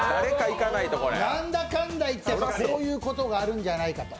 なんだかんだいっても、そういうことがあるんじゃないかと。